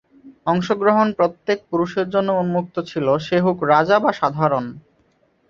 অংশগ্রহণ প্রত্যেক পুরুষের জন্য উন্মুক্ত ছিল সে হোক রাজা বা সাধারণ।